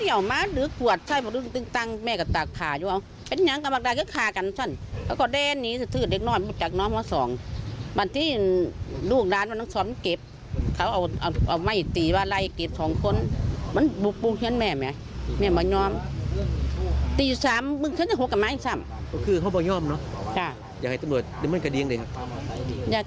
อยากให้เพื่อนตามมาให้แม่เดี๋ยว